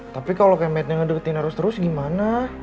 tapi kalau kemetnya ngedeketin eros terus gimana